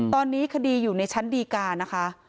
ตอนนี้คดีอยู่ในชั้นดีการนะคะ